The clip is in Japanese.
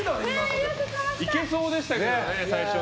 いけそうでしたけどね、最初。